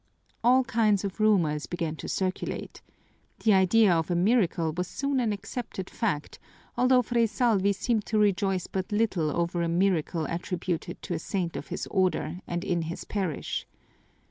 All kinds of rumors began to circulate. The idea of a miracle was soon an accepted fact, although Fray Salvi seemed to rejoice but little over a miracle attributed to a saint of his Order and in his parish.